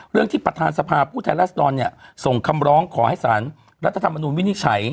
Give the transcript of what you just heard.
เรื่องที่ประธานสภาพผู้แทนรัศดรเนี่ยส่งคำร้องขอให้สารรัฐธรรมนุนวินิจฉัย